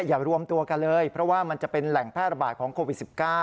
อย่ารวมตัวกันเลยเพราะว่ามันจะเป็นแหล่งแพร่ระบาดของโควิด๑๙